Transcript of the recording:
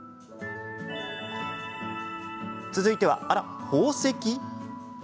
続いては、あらっ？宝石？